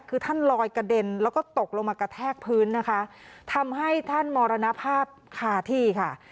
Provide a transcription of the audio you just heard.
คือท่านลอยกระเด็นแล้วก็ตกลงมากระแทกพื้นนะคะทำให้ท่านมรณภาพคาที่ค่ะ